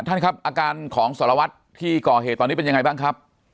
ท่านครับอาการของสารวัตรที่ก่อเหตุตอนนี้เป็นยังไงบ้างครับ